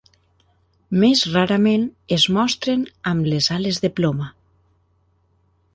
Més rarament, es mostren amb les ales de ploma.